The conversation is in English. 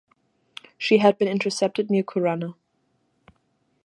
She had been intercepted near Corunna.